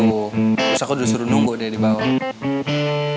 terus aku udah suruh nunggu dari bawah